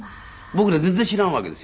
僕ら全然知らんわけですよ。